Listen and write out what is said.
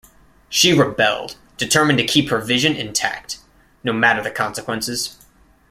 She rebelled, determined to keep her vision intact, no matter the consequences.